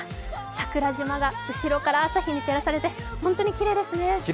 桜島が後ろから朝日に照らされて本当にきれいですね。